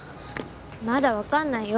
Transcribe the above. まだわかんないよ。